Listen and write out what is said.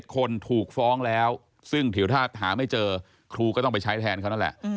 คนถูกฟ้องแล้วซึ่งเดี๋ยวถ้าหาไม่เจอครูก็ต้องไปใช้แทนเขานั่นแหละ